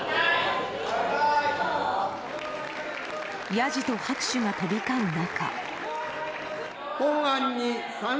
やじと拍手が飛び交う中。